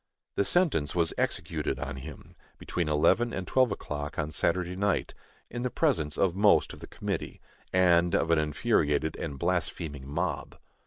The sentence was executed on him, between eleven and twelve o'clock on Saturday night, in the presence of most of the committee, and of an infuriated and blaspheming mob.